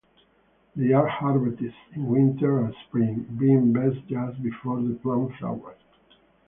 They are harvested in winter and spring, being best just before the plant flowers.